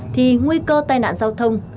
thì nguy cơ tai nạn giao thông